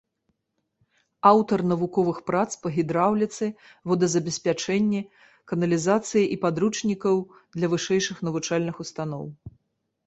Аўтар навуковых прац па гідраўліцы, водазабеспячэнні, каналізацыі і падручнікаў для вышэйшых навучальных устаноў.